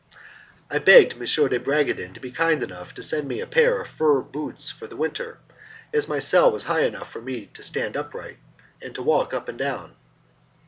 I begged M. de Bragadin to be kind enough to send me a pair of fur boots for the winter, as my cell was high enough for me to stand upright and to walk up and down.